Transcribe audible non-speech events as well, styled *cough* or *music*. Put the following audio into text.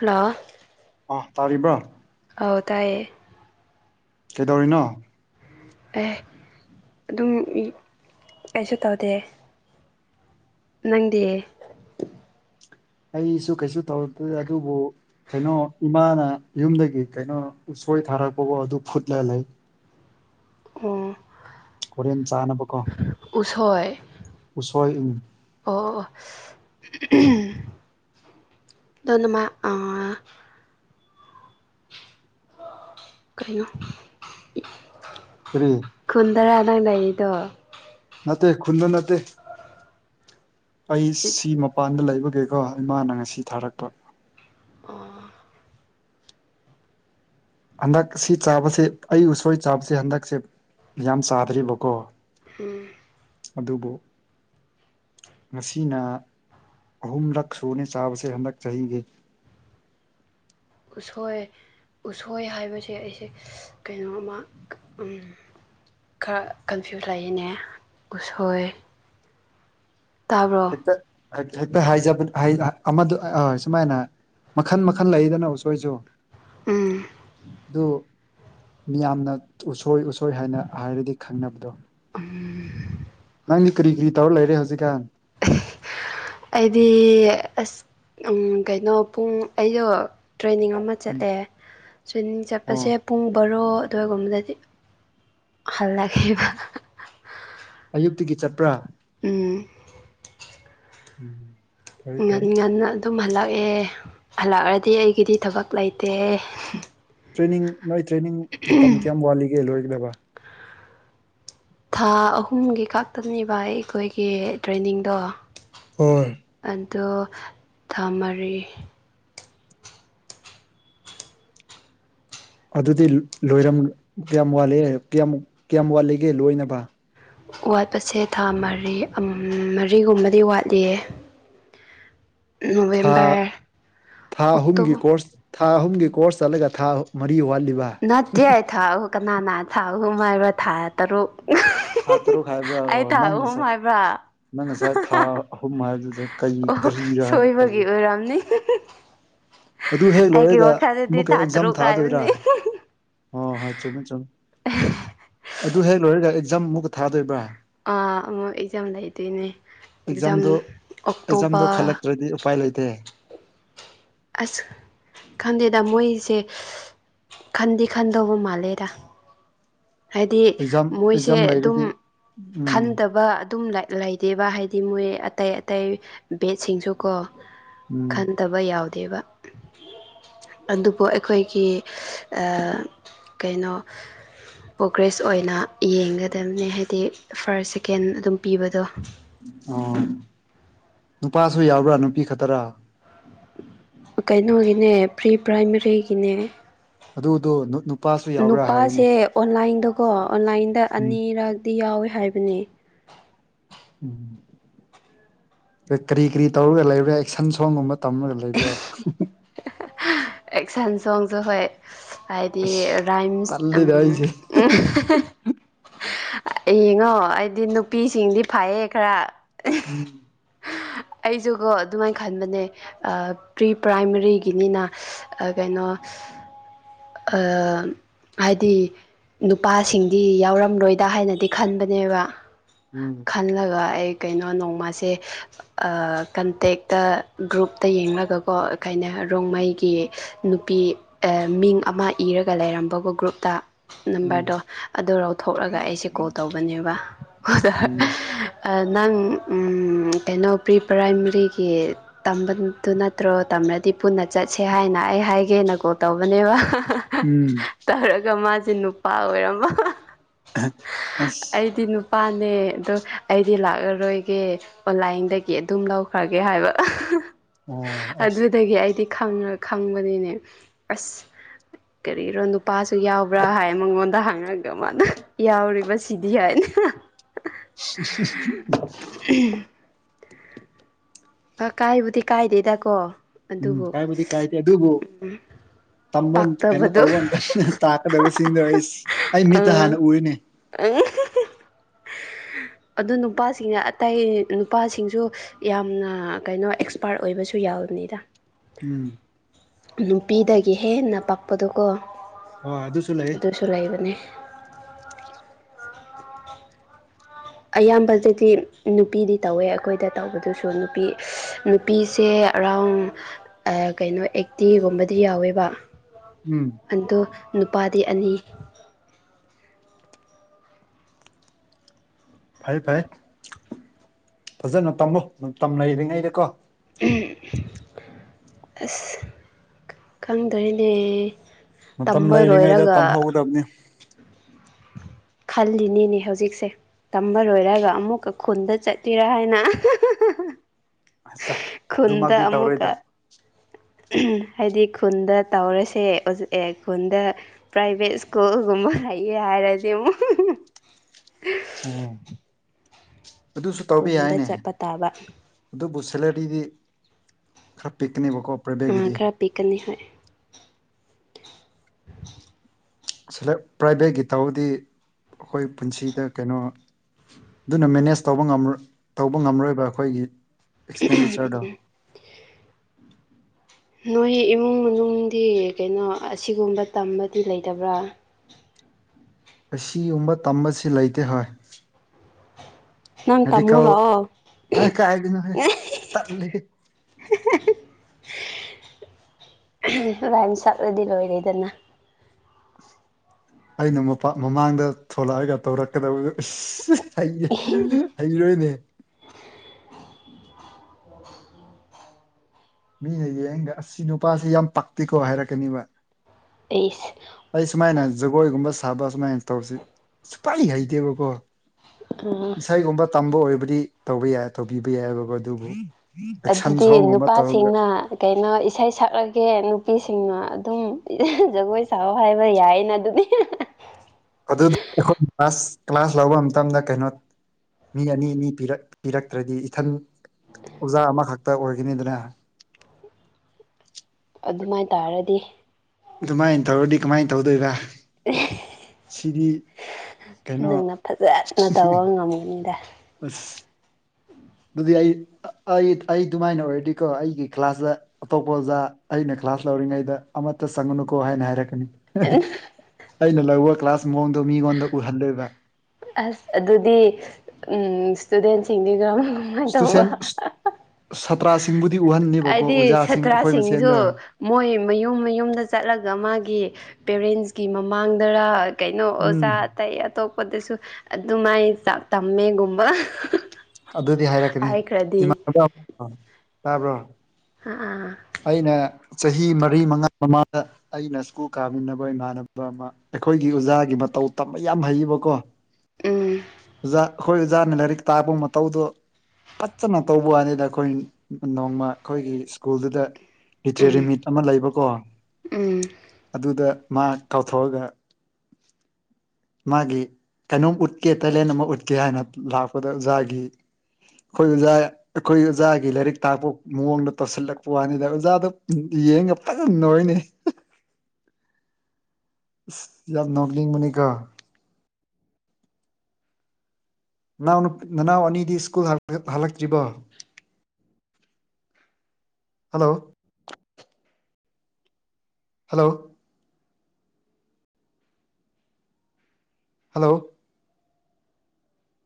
Hello ꯑꯥ ꯇꯥꯔꯤꯕꯔꯥ ꯑꯧ ꯇꯥꯌꯦ ꯀꯩꯗꯧꯔꯤꯅꯣ ꯑꯦ ꯑꯗꯨꯝ ꯀꯩꯁꯨ ꯇꯧꯗꯦ ꯅꯪꯗꯤ ꯑꯩꯁꯨ ꯀꯩꯁꯨ ꯇꯧꯗꯦ ꯑꯗꯨꯕꯨ ꯀꯩꯅꯣ ꯏꯃꯥꯅ ꯌꯨꯝꯗꯒꯤ ꯀꯩꯅꯣ ꯎꯁꯣꯏ ꯊꯥꯔꯛꯄꯀꯣ ꯑꯗꯨ ꯐꯨꯠꯂꯒ ꯂꯩ ꯑꯣ ꯍꯣꯔꯦꯟ ꯆꯥꯅꯕ ꯀꯣ ꯎꯁꯣꯏ ꯎꯁꯣꯏ ꯎꯝ ꯑꯣ *unintelligible* *unintelligible* ꯀꯔꯤꯅꯣ ꯀꯔꯤ ꯈꯨꯟꯗꯔꯥ ꯅꯪ ꯂꯩꯔꯤꯗꯣ ꯅꯠꯇꯦ ꯈꯨꯨꯟꯗ ꯅꯠꯇꯦ ꯑꯩ ꯁꯤ ꯃꯄꯥꯟꯗ ꯂꯩꯕꯒꯦꯀꯣ ꯏꯃꯥꯅ ꯉꯁꯤ ꯊꯥꯔꯛꯄ ꯑꯣ ꯍꯟꯗꯛ ꯁꯤ ꯆꯥꯕꯁꯦ ꯑꯩ ꯎꯁꯣꯏ ꯆꯥꯕꯁꯦ ꯍꯟꯗꯛꯁꯦ ꯌꯥꯝ ꯆꯥꯗ꯭ꯔꯤꯕꯀꯣ ꯎꯝ ꯑꯗꯨꯕꯨ ꯉꯁꯤꯅ ꯑꯍꯨꯝꯂꯛ ꯁꯨꯅꯤ ꯆꯥꯕꯁꯦ ꯍꯟꯗꯛ ꯆꯍꯤꯒꯤ ꯎꯁꯣꯏ ꯎꯁꯣꯏ ꯍꯥꯏꯕꯁꯦ ꯑꯩꯁꯦ ꯀꯩꯅꯣꯃ ꯈꯔ ꯀꯟꯐ꯭ꯌꯨꯁ ꯂꯩꯌꯦꯅꯦ ꯎꯠꯁꯣꯏ ꯇꯥꯕ꯭ꯔꯣ ꯍꯦ ꯍꯦꯛꯇ ꯍꯥꯏꯖꯕ ꯑꯃꯗ ꯑ ꯁꯨꯃꯥꯏꯅ ꯃꯈꯟ ꯃꯈꯜ ꯂꯩꯗꯅ ꯎꯁꯣꯏꯁꯨ ꯎꯝ ꯑꯗꯨ ꯃꯤꯌꯥꯝꯅ ꯎꯁꯣꯏ ꯎꯁꯣꯏ ꯍꯥꯏꯅ ꯍꯥꯏꯔꯗꯤ ꯈꯪꯅꯕꯗꯣ ꯎꯝ ꯅꯪꯗꯤ ꯀꯔꯤ ꯀꯔꯤ ꯇꯧꯔ ꯂꯩꯔꯦ ꯍꯧꯖꯤꯛꯀꯥꯟ ꯑꯩꯗꯤ ꯑꯁ ꯀꯩꯅꯣ ꯄꯨꯡ ꯑꯩꯗꯣ ꯇ꯭ꯔꯦꯅꯤꯡ ꯑꯃ ꯎꯝ ꯆꯠꯂꯦ ꯇ꯭ꯋꯤꯅꯤꯡ ꯑꯣ ꯆꯠꯄꯁꯦ ꯄꯨꯡ ꯕꯥꯔꯣ ꯑꯗꯨꯋꯥꯏꯒꯨꯝꯕꯗꯗꯤ ꯍꯜꯂꯛꯑꯦꯕ *unintelligible* ꯑꯌꯨꯛꯇꯒꯤ ꯆꯠꯄ꯭ꯔꯥ ꯎꯝ *inaudible* ꯐꯩ ꯉꯟ ꯉꯟꯅ ꯑꯗꯨꯝ ꯍꯜꯂꯛꯑꯦ ꯍꯜꯂꯛꯑꯔꯗꯤ ꯑꯩꯒꯤꯗꯤ ꯊꯕꯛ ꯂꯩꯇꯦ ꯇ꯭ꯔꯦꯅꯤꯡ ꯅꯣꯏ ꯇ꯭ꯔꯦꯅꯤꯡ ꯃꯇꯝ ꯀꯌꯥꯝ ꯋꯥꯠꯂꯤꯒꯦ ꯂꯣꯏꯒꯗꯕ ꯊꯥ ꯑꯍꯨꯝꯒꯤ ꯀꯛꯇꯕꯅꯦꯕ ꯑꯩꯈꯣꯏꯒꯤ ꯇ꯭ꯔꯦꯟꯅꯤꯡꯗꯣ ꯍꯣꯢ ꯑꯗꯣ ꯊꯥ ꯃꯔꯤ ꯑꯗꯨꯗꯤ ꯂꯣꯏꯔꯝ ꯀꯌꯥꯝ ꯋꯥꯠꯂꯦ ꯀꯌꯥꯝ ꯀꯌꯥꯝ ꯋꯥꯠꯂꯤꯒꯦ ꯂꯣꯏꯅꯕ꯫ ꯋꯥꯠꯄꯁꯦ ꯊꯥ ꯃꯔꯤ ꯑꯝ ꯃꯔꯤꯒꯨꯝꯕꯗꯤ ꯋꯥꯠꯂꯤꯌꯦ꯫ ꯊꯥ ꯅꯣꯕꯦꯝꯕꯔ ꯊꯥ ꯑꯣꯛꯇꯣ ꯑꯍꯨꯝꯒꯤ ꯀꯣꯔꯁ ꯊꯥ ꯑꯍꯨꯝꯒꯤ ꯀꯣꯔꯁ ꯆꯠꯂꯒ ꯊꯥ ꯃꯔꯤ ꯋꯥꯠꯂꯤꯕ꯫ ꯅꯥꯠꯇꯦ ꯊꯥ ꯑꯍꯨ ꯀꯅꯥꯅꯥ ꯊꯥ ꯑꯍꯨꯝ ꯍꯥꯏꯕ ꯊꯥ ꯇꯔꯨꯛ꯫ ꯊꯥ ꯇꯔꯨꯛ ꯍꯥꯏꯕ꯭ꯔꯥ *unintelligible* ꯑꯩ ꯑꯣ ꯊꯥ ꯅꯪ ꯑꯍꯨꯝ ꯉꯁꯥꯏ ꯍꯥꯏꯕ꯭ꯔꯥ ꯅꯪ ꯉꯁꯥꯏ ꯊꯥ ꯑꯍꯨꯝ ꯍꯥꯏꯕꯗꯨꯗ ꯀꯩ ꯑꯣ ꯀꯔꯤꯔꯥ ꯍꯥꯏꯅ ꯁꯣꯏꯕꯒꯤ ꯈꯜꯂꯤ ꯑꯣꯏꯔꯝꯅꯤ ꯑꯗꯨ ꯍꯦꯛ ꯑꯩꯒꯤ ꯂꯣꯏꯔꯦꯗ ꯋꯥꯈꯜꯗꯗꯤ ꯑꯃꯨꯛꯀ ꯊꯥ ꯑꯦꯛꯖꯥꯝ ꯇꯔꯨꯛ ꯊꯥꯗꯣꯏꯔꯥ ꯍꯥꯏꯕꯅꯤ ꯍ ꯍꯣꯏ ꯆꯨꯝꯃꯦ ꯆꯨꯝ ꯑꯗꯨ ꯍꯦꯛ ꯂꯣꯏꯔꯒ ꯑꯦꯛꯖꯥꯝ ꯑꯃꯨꯛꯀ ꯊꯥꯗꯣꯏꯕ꯭ꯔꯥ ꯑꯥ ꯑꯃꯨꯛ ꯑꯦꯛꯖꯥꯝ ꯂꯩꯗꯣꯏꯅꯦ ꯑꯦꯛꯖꯥꯝ ꯑꯦꯛꯖꯥꯝꯗꯣ ꯑꯦꯛꯖꯥꯝꯗꯣ ꯑꯣꯛꯇꯣꯕꯔ ꯈꯜꯂꯛꯇ꯭ꯔꯗꯤ ꯎꯄꯥꯏ ꯂꯩꯇꯦ ꯑꯁ ꯈꯟꯗꯦꯗ ꯃꯣꯏꯁꯦ ꯈꯟꯗꯤ ꯈꯟꯗꯧꯕ ꯃꯥꯜꯂꯦꯗ꯫ ꯍꯥꯏꯗꯤ ꯑꯦꯛꯖꯥꯝ ꯃꯣꯏꯁꯦ ꯑꯦꯛꯖꯥꯝ ꯑꯗꯨꯝ ꯂꯩꯔꯗꯤ ꯎꯝ ꯈꯟꯗꯕ ꯑꯗꯨꯝ ꯂꯩ ꯗꯦꯕꯥ ꯍꯥꯏꯗꯤ ꯃꯣꯏ ꯑꯇꯩ ꯑꯇꯩ ꯕꯦꯠꯁꯤꯡꯁꯨꯀꯣ ꯎꯝ ꯈꯟꯗꯕ ꯌꯥꯎ ꯗꯦꯕ ꯑꯗꯨꯕꯨ ꯑꯩꯈꯣꯏꯒꯤ ꯑꯥ ꯀꯩꯅꯣ ꯄ꯭ꯔꯣꯒ꯭ꯔꯦꯁ ꯑꯣꯏꯅ ꯌꯦꯡꯒꯗꯝꯅꯦ ꯍꯥꯏꯗꯤ ꯐꯥꯔꯁ ꯁꯦꯀꯦꯟ ꯑꯗꯨꯝ ꯄꯤꯕꯗꯣ꯫ ꯑꯣ ꯅꯨꯄꯥꯁꯨ ꯌꯥꯎꯕ꯭ꯔꯥ ꯅꯨꯄꯤ ꯈꯛꯇꯔꯥ꯫ ꯀꯩꯅꯣꯒꯤꯅꯦ ꯄ꯭ꯔꯤ ꯄ꯭ꯔꯥꯏꯃꯔꯤꯒꯤꯅꯦ꯫ ꯑꯗꯨꯗꯣ ꯅꯨꯄꯥꯁꯨ ꯌꯥꯎꯕ꯭ꯔꯥ ꯍꯥꯏꯕꯅꯦ꯫ ꯅꯨꯄꯥꯁꯦ ꯑꯣꯟꯂꯥꯏꯟꯗꯀꯣ ꯑꯣꯟꯂꯥꯏꯟꯗ ꯎꯝ ꯑꯅꯤꯔꯛꯗꯤ ꯌꯥꯎꯋꯦ ꯍꯥꯏꯕꯅꯦ꯫ ꯎꯝ ꯀꯔꯤ ꯀꯔꯤ ꯇꯧꯔꯒ ꯂꯩꯕ꯭ꯔꯥ ꯑꯦꯛꯁꯟ ꯁꯣꯡꯒꯨꯝꯕ ꯇꯝꯃꯒ ꯂꯩꯕ꯭ꯔꯣ꯫ *unintelligible* ꯑꯦꯛꯁꯟ ꯁꯣꯡꯁꯨ ꯍꯣꯢ ꯍꯥꯏꯗꯤ ꯔꯥꯏꯝꯁ ꯑꯝ ꯇꯜꯂꯤꯗ ꯑꯩꯁꯦ *unintelligible* ꯌꯦꯡꯉꯣ ꯑꯩꯗꯤ ꯅꯨꯄꯤꯁꯤꯡꯗꯤ ꯐꯩꯌꯦ ꯈꯔ꯫ *inaudible* *unintelligible* ꯑꯩꯖꯨꯀꯣ ꯑꯗꯨꯃꯥꯏ ꯈꯟꯕꯅꯦ ꯑ ꯄ꯭ꯔꯤ ꯄ꯭ꯔꯥꯏꯃꯔꯤꯒꯤꯅꯤꯅ ꯑꯥ ꯀꯩꯅꯣ꯫ ꯑꯥꯥ ꯍꯥꯏꯗꯤ꯫ ꯅꯨꯄꯥꯁꯤꯡꯗꯤ ꯌꯥꯎꯔꯝꯂꯣꯏꯗ ꯍꯥꯏꯅꯗꯤ ꯈꯟꯕꯅꯦꯕ꯫ ꯎꯝ꯫ ꯈꯜꯂꯒ ꯑꯩ ꯀꯩꯅꯣ ꯅꯣꯡꯃꯥꯁꯦ꯫ ꯑꯥ ꯀꯟꯇꯦꯛꯇ ꯒ꯭ꯔꯨꯞꯇ ꯌꯦꯡꯂꯒꯀꯣ ꯀꯩꯅ ꯔꯣꯡꯃꯩꯒꯤ꯫ ꯅꯨꯄꯤ ꯑ ꯃꯤꯡ ꯑꯃ ꯏꯔꯒ ꯂꯩꯔꯝꯕꯀꯣ ꯒ꯭ꯔꯨꯞꯇ꯫ ꯎꯝ ꯅꯝꯕꯔꯗꯣ ꯑꯗꯨ ꯂꯧꯊꯣꯛꯂꯒ ꯑꯩꯁꯦ ꯀꯣꯜ ꯇꯧꯕꯅꯦꯕ ꯎꯝ *unintelligible* ꯅꯪ ꯎꯝ ꯀꯩꯅꯣ ꯄ꯭ꯔꯤ ꯄ꯭ꯔꯥꯏꯃꯔꯤꯒꯤ꯫ ꯇꯝꯕꯗꯨ ꯅꯠꯇ꯭ꯔꯣ ꯇꯝꯔꯗꯤ ꯄꯨꯟꯅ ꯆꯠꯁꯦ ꯍꯥꯏꯅ ꯑꯩ ꯍꯥꯏꯒꯦꯅ ꯀꯣꯜ ꯇꯧꯕꯅꯦꯕ꯫ ꯍ꯫ ꯎꯝ꯫ ꯇꯧꯔꯒ ꯃꯥꯁꯦ ꯅꯨꯄꯥ ꯑꯣꯏꯔꯝꯕ ꯑꯁ ꯑꯩꯗꯤ ꯅꯨꯞ꯫ ꯅꯨꯄꯥꯅꯦ ꯑꯗꯣ ꯑꯩꯗꯤ ꯂꯥꯛꯂꯔꯣꯏꯒꯦ ꯑꯣꯟꯂꯥꯏꯟꯗꯒꯤ ꯑꯗꯨꯝ ꯂꯧꯈ꯭ꯔꯒꯦ ꯍꯥꯏꯕ ꯑꯣ ꯑꯁ ꯑꯗꯨꯗꯒꯤ ꯑꯩꯗꯤ ꯈꯪꯉ ꯈꯪꯕꯅꯤꯅꯦ ꯑꯁ ꯀꯔꯤꯔꯣ ꯅꯨꯄꯥꯁꯨ ꯌꯥꯎꯕ꯭ꯔꯥ ꯍꯥꯏ ꯃꯉꯣꯟꯗ ꯍꯪꯉ ꯑꯃꯅ ꯌꯥꯎꯔꯤꯕ ꯁꯤꯗꯤ ꯍꯥꯏꯅ *unintelligible* *unintelligible* ꯑ ꯀꯥꯏꯕꯨꯗꯤ ꯀꯥꯏꯗꯦꯗꯀꯣ ꯎꯝ ꯑꯗꯨꯕꯨ ꯀꯥꯏꯕꯨꯗꯤ ꯀꯥꯏꯗꯦ ꯑꯗꯨꯕꯨ ꯇꯝꯕꯝ ꯀꯩꯅꯣ ꯄꯥꯛꯇꯕꯗꯣ ꯇꯧꯕꯝ ꯑꯩꯅ ꯇꯥꯛꯀꯗꯕꯁꯤꯡꯗꯣ ꯑꯩꯁ ꯑꯩ ꯃꯤꯠꯇ ꯑꯥ ꯍꯥꯟꯅ ꯎꯔꯤꯅꯦ *unintelligible* *unintelligible* ꯑꯗꯨ ꯅꯨꯄꯥꯁꯤꯡꯅ ꯑꯇꯩ ꯅꯨꯄꯥꯁꯤꯡꯁꯨ ꯌꯥꯝꯅ ꯑ ꯀꯩꯅꯣ ꯑꯦꯛꯁꯄꯥꯔꯠ ꯑꯣꯏꯕꯁꯨ ꯌꯥꯎꯔꯤꯅꯤꯗ ꯎꯝ꯫ ꯅꯨꯄꯤꯗꯒꯤ ꯍꯦꯦꯟꯅ ꯄꯛꯄꯗꯣꯀꯣ꯫ ꯍꯣ ꯑꯗꯨꯁꯨ ꯂꯩ ꯑꯗꯨꯁꯨ ꯂꯩꯕꯅꯦ꯫ *unintelligible* ꯑꯌꯥꯝꯕꯗꯗꯤ ꯅꯨꯄꯤꯗꯤ ꯇꯧꯋꯦ ꯑꯩꯈꯣꯏꯗ ꯇꯧꯕꯗꯨꯁꯨ ꯅꯨꯄꯤ ꯅꯨꯄꯤꯁꯦ ꯑꯦꯔꯥꯎꯟ ꯑ ꯀꯩꯅꯣ ꯑꯦꯠꯇꯤꯒꯨꯝꯕꯗꯤ ꯌꯥꯎꯋꯦꯕ꯫ ꯎꯝ ꯑꯗꯣ ꯅꯨꯄꯥꯗꯤ ꯑꯅꯤ ꯐꯩ ꯐꯩ ꯐꯖꯅ ꯇꯝꯃꯣ ꯃꯇꯝ ꯂꯩꯔꯤꯉꯩꯗꯀꯣ꯫ *unintelligible* ꯑꯁ ꯈꯪꯗ꯭ꯔꯦꯅꯦ꯫ ꯃꯇꯝ ꯇꯝꯕ ꯂꯩꯔꯤꯉꯩꯗ ꯂꯣꯏꯔꯒ ꯇꯝꯍꯧꯒꯗꯕꯅꯤ꯫ ꯈꯜꯂꯤꯅꯤꯅꯦ ꯍꯧꯖꯤꯛꯁꯦ ꯇꯝꯕꯔꯣꯏꯔꯒ ꯑꯃꯨꯛꯀ ꯈꯨꯟꯗ ꯆꯠꯇ꯭ꯔꯤꯔꯥ ꯍꯥꯏꯅ *unintelligible* ꯑꯁꯁ ꯑꯗꯨ ꯈꯨꯟꯗ ꯃꯛꯇꯤ ꯑꯃꯨꯛꯀ ꯇꯧꯔꯣꯏꯗ *unintelligible* ꯍꯥꯏꯗꯤ ꯈꯨꯟꯗ ꯇꯧꯔꯦꯁꯦ *unintelligible* ꯈꯨꯟꯗ ꯄ꯭ꯔꯥꯏꯚꯦꯠ ꯁ꯭ꯀꯨꯜꯒꯨꯝꯕ ꯂꯩꯌꯦ ꯍꯥꯏꯔꯗꯤ *unintelligible* ꯑꯝ ꯑꯗꯨꯁꯨ ꯇꯧꯕ ꯈꯨꯟꯗ ꯌꯥꯏꯌꯦꯅꯦ ꯆꯠꯄ ꯇꯥꯕ ꯑꯗꯨꯕꯨ ꯁꯦꯂꯔꯤꯗꯤ ꯈꯔ ꯄꯤꯛꯀꯅꯦꯕꯀꯣ ꯑꯥ ꯄ꯭ꯔꯥꯏꯕꯦꯠꯀꯤꯗꯤ ꯈꯔ ꯄꯤꯛꯀꯅꯤ ꯍꯣꯏ *unintelligible* ꯄ꯭ꯔꯥꯏꯚꯦꯠꯀꯤ ꯇꯧꯗꯤ ꯑꯩꯈꯣꯏ ꯄꯨꯟꯁꯤꯗ ꯀꯩꯅꯣ ꯑꯗꯨꯅ ꯃꯦꯅꯦꯖ ꯇꯧꯕ ꯉꯝꯔꯣꯏ ꯇꯧꯕ ꯉꯝꯔꯣꯏꯕ ꯑꯩꯈꯣꯏꯒꯤ ꯑꯦꯛꯁꯄꯦꯟꯗꯤꯆꯔꯗꯣ ꯅꯣꯏ ꯏꯃꯨꯡ ꯃꯅꯨꯡꯗꯤ ꯀꯩꯅꯣ ꯑꯁꯤꯒꯨꯝꯕ ꯇꯝꯕꯗꯤ ꯂꯩꯇꯕ꯭ꯔꯥ ꯑꯁꯤꯒꯨꯝꯕ ꯇꯝꯕꯁꯤ ꯂꯩꯇꯦ ꯍꯣꯏ ꯅꯪ ꯇꯃꯣ ꯃꯦꯗꯤꯀꯦꯜ ꯂꯥꯛꯑꯣ ꯑ ꯀꯥꯏꯗꯅꯣꯍꯦ ꯇꯠꯂꯦ ꯔꯥꯏꯝ ꯁꯠꯂꯗꯤ ꯂꯣꯏꯔꯦꯗꯅ ꯑꯩꯅ ꯃꯄꯥ ꯃꯃꯥꯡꯗ ꯊꯣꯛꯂꯛꯑꯒ ꯇꯧꯔꯛꯀꯗꯕꯗꯨ ꯍꯩꯌꯦ ꯍꯩꯔꯣꯏꯅꯦ ꯃꯤꯅ ꯌꯦꯡꯒꯥ ꯑꯁꯤ ꯅꯨꯄꯥꯁꯤ ꯌꯥꯝ ꯄꯛꯇꯦꯀꯣ ꯍꯥꯏꯔꯛꯀꯅꯤꯕ *unintelligible* ꯑꯩ ꯁꯨꯃꯥꯏꯅ ꯖꯒꯣꯏꯒꯨꯝꯕ ꯁꯥꯕ ꯁꯨꯃꯥꯏꯅ ꯇꯧꯁꯤ ꯁꯨꯄꯥꯏ ꯍꯩꯇꯦꯕꯀꯣ *unintelligible* ꯏꯁꯩꯒꯨꯝꯕ ꯇꯝꯕ ꯑꯣꯏꯕꯗꯤ ꯇꯧꯕ ꯌꯥꯏ ꯇꯧꯕꯤꯕ ꯌꯥꯏꯑꯕꯀꯣ ꯑꯗꯨꯕꯨ ꯑꯦꯛꯁꯟ ꯁꯣꯡꯒꯨꯝꯕ ꯇꯧꯔꯒ ꯁꯤꯡꯅ ꯀꯩꯅꯣ ꯏꯁꯩ ꯁꯛꯂꯒꯦ ꯅꯨꯄꯤꯁꯤꯡꯅ ꯑꯗꯨꯝ ꯖꯒꯣꯏ ꯁꯥꯎ ꯍꯥꯏꯕ ꯌꯥꯏꯌꯦꯅ ꯑꯗꯨꯗꯤ *unintelligible* ꯈꯣꯏ ꯀ꯭ꯂꯁ ꯀ꯭ꯂꯥꯁ ꯂꯧꯕ ꯃꯇꯝꯗ ꯀꯩꯅꯣ ꯃꯤ ꯑꯅꯤ ꯑꯅꯤ ꯄꯤꯔꯛ ꯄꯤꯔꯛꯇ꯭ꯔꯗꯤ ꯏꯊꯟ ꯑꯣꯖꯥ ꯑꯃꯈꯛꯇ ꯑꯣꯏꯒꯅꯤ ꯗꯅ ꯑꯗꯨꯃꯥꯏ ꯇꯥꯔꯗꯤ ꯑꯗꯨꯃꯥꯏꯅ ꯇꯧꯔꯗꯤ ꯀꯃꯥꯏꯅ ꯇꯧꯗꯣꯏꯕ ꯁꯤꯗꯤ *unintelligible* ꯀꯩꯅꯣ ꯅꯪꯅ ꯐꯖꯅ ꯇꯧꯕ ꯉꯝꯃꯤꯅꯤꯗ ꯑꯁ ꯑꯗꯨꯗꯤ ꯑꯩ ꯑꯩ ꯑꯩ ꯑꯗꯨꯃꯥꯏꯅ ꯑꯣꯏꯔꯗꯤꯀꯣ ꯑꯩꯒꯤ ꯀ꯭ꯂꯥꯁꯇ ꯑꯇꯣꯞꯄ ꯑꯣꯖꯥ ꯑꯩꯅ ꯀ꯭ꯂꯥꯁ ꯂꯧꯔꯤꯉꯩꯗ ꯑꯃꯠꯇ ꯆꯪꯉꯅꯨꯀꯣ ꯍꯥꯏꯅ ꯍꯥꯏꯔꯛꯀꯅꯤ ꯑꯩꯅ ꯂꯧꯕ ꯀ꯭ꯂꯥꯁ ꯃꯑꯣꯡꯗꯣ ꯃꯤꯉꯣꯟꯗ ꯎꯍꯜꯂꯣꯏꯕ ꯑꯁ ꯑꯗꯨꯗꯤ ꯎꯝ ꯏꯁꯇꯨꯗꯦꯟꯁꯤꯡꯗꯤ *unintelligible* ꯏꯁꯇꯨꯁꯦꯟ ꯁꯥꯇ꯭ꯔꯁꯤꯡꯕꯨꯗꯤ ꯎꯍꯟꯅꯤꯕꯀꯣ ꯍꯥꯏꯗꯤ ꯑꯣꯖꯥꯁꯤꯡ ꯑꯩꯈꯣꯏ ꯃꯁꯦꯟꯗ ꯁꯥꯇ꯭ꯔꯁꯤꯡꯁꯨ ꯃꯣꯏ ꯃꯌꯨꯝ ꯃꯌꯨꯝꯗ ꯆꯠꯂꯒ ꯃꯥꯒꯤ ꯄꯦꯔꯦꯟꯁꯀꯤ ꯃꯃꯥꯡꯗꯔꯥ ꯀꯩꯅꯣ ꯎꯝ ꯑꯣꯖꯥ ꯑꯇꯩ ꯑꯇꯣꯞꯄꯗꯁꯨ ꯑꯗꯨꯃꯥꯏꯅ ꯆꯥꯛ ꯇꯝꯃꯦꯒꯨꯝꯕ ꯑꯗꯨꯗꯤ ꯍꯥꯏꯔꯛꯀꯅꯤ ꯍꯥꯏꯈ꯭ꯔꯗꯤ ꯏꯃꯥꯟꯅꯕ ꯇꯥꯕ꯭ꯔꯣ ꯑ ꯑꯥ ꯑꯩꯅ ꯆꯍꯤ ꯃꯔꯤ ꯃꯉꯥ ꯃꯃꯥꯗ ꯑꯩꯅ ꯁ꯭ꯀꯨꯜ ꯀꯥꯃꯤꯟꯅꯕ ꯏꯃꯥꯟꯅꯕ ꯑꯃ ꯑꯩꯈꯣꯏꯒꯤ ꯑꯣꯖꯥꯒꯤ ꯃꯇꯧ ꯇꯝꯕ ꯌꯥꯝ ꯍꯩꯕꯀꯣ ꯎꯝ ꯑꯣꯖꯥ ꯑꯩꯈꯣꯏ ꯑꯣꯖꯥꯅ ꯂꯥꯏꯔꯤꯛ ꯇꯥꯕ ꯃꯇꯧꯗꯣ ꯐꯖꯅ ꯇꯧꯕ ꯋꯥꯅꯤꯗ ꯑꯩꯈꯣꯏ ꯅꯣꯡꯃ ꯑꯩꯈꯣꯏꯒꯤ ꯁ꯭ꯀꯨꯜꯗꯨꯗ ꯂꯤꯇ꯭ꯔꯦꯔꯤ ꯎꯝ ꯃꯤꯠ ꯑꯃ ꯂꯩꯕꯀꯣ ꯎꯝ ꯑꯗꯨꯗ ꯃꯥ ꯀꯥꯎꯊꯣꯛꯑꯒ ꯃꯥꯒꯤ ꯀꯩꯅꯣꯝ ꯎꯠꯀꯦ ꯇꯦꯂꯦꯟ ꯑꯃ ꯎꯠꯀꯦ ꯍꯥꯏꯅ ꯂꯥꯛꯄꯗ ꯑꯣꯖꯥꯒꯤ ꯑꯩꯈꯣꯏ ꯑꯣꯖꯥꯏ ꯑꯩꯈꯣꯏ ꯑꯣꯖꯥꯒꯤ ꯂꯥꯏꯔꯤꯛ ꯇꯥꯛꯄ ꯃꯑꯣꯡꯗ ꯇꯧꯁꯤꯜꯂꯛꯄ ꯋꯥꯅꯤꯗ ꯑꯣꯖꯥꯗ ꯌꯦꯡꯉ ꯐꯉꯝ ꯅꯣꯏꯅꯤ ꯌꯥꯝ ꯅꯣꯛꯅꯤꯡꯕꯅꯤꯀ ꯅꯅꯥꯎ ꯅꯅꯥꯎ ꯑꯅꯤꯗꯤ ꯁ꯭ꯀꯨꯜ ꯍꯜꯂꯛꯇ꯭ꯔꯤꯕꯣ ꯍꯜꯂꯣ ꯍꯜꯂꯣ ꯍꯜꯂꯣ